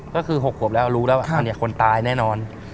ก็คือ๖ขวบแล้วรู้แล้วว่าเนี่ยคนตายแน่นอน